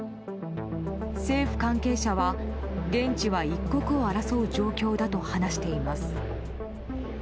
政府関係者は、現地は一刻を争う状況だと話しています。